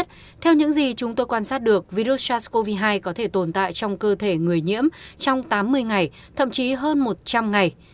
theo những gì chúng tôi quan sát được virus sars cov hai có thể tồn tại trong cơ thể người nhiễm trong tám mươi ngày thậm chí hơn một trăm linh ngày